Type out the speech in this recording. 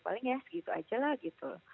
paling ya segitu aja lah gitu